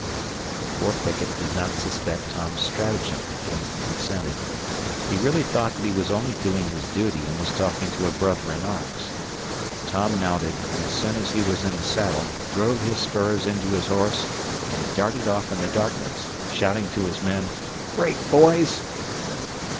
The poor picket did not suspect Tom's stratagem and consented. He really thought that he was only doing his duty and was talking to a brother in arms. Tom mounted and, as soon as he was in the saddle, drove his spurs into his horse, and darted off in the darkness, shouting to his men, "Break, boys!"